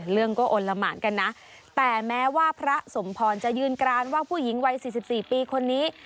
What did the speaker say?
เรื่องก็อลละหมานกันนะแต่แม้ว่าพระสมพรจะยืนกรานว่าผู้หญิงวัย๔๔ปีคนนี้